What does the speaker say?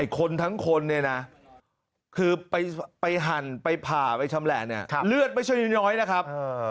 คนทั้งคนเนี่ยนะคือไปหั่นไปผ่าไปชำแหละเนี่ยเลือดไม่ใช่น้อยนะครับ